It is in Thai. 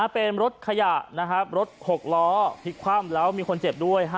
เป็นรถขยะนะครับรถ๖ล้อพลิกคว่ำแล้วมีคนเจ็บด้วย